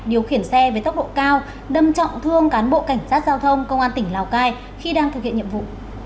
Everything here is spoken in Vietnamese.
điều khiển xe với tốc độ cao đâm trọng thương cán bộ cảnh sát giao thông công an tỉnh lào cai khi đang thực hiện nhiệm vụ